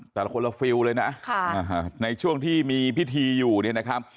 แต่ละคนละฟิลเลยนะในช่วงที่มีพิธีอยู่เนี่ยนะครับ